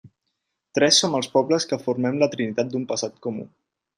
Tres som els pobles que formem la trinitat d'un passat comú.